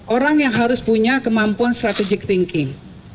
orang yang harus punya kemampuan strategic thinking